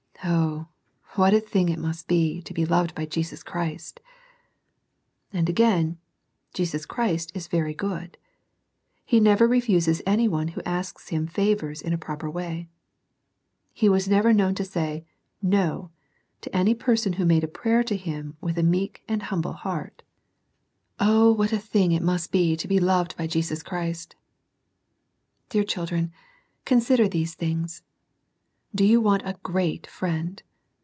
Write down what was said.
Oh, what a thing it must be to be loved by Jesus Christ I And again, Jesus Christ is very good. He never refuses any one who asks Him favours in a proper way. He was never known to say. No I to any person who made a prayer to Him with a meek and humble heart SEEKING THE LORD EARLY. II5 Oh, what a thing it must be to be loved by Jesus Christ 1 Dear children, consider these things. Do you want a great friend